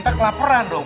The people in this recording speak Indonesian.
tak laparan dong